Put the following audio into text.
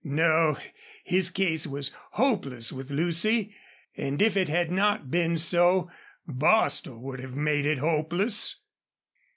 No, his case was hopeless with Lucy, and if it had not been so Bostil would have made it hopeless.